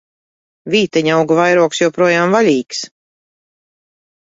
Vīteņaugu vairogs joprojām vaļīgs!